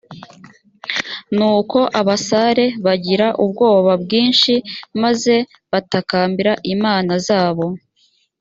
nuko abasare bagira ubwoba bwinshi maze batakambira imana zabo